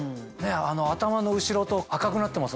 頭の後ろと赤くなってます